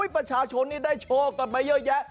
ประชาชนนี่ได้โชคกันมาเยอะแยะ